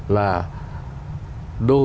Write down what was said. là đô thị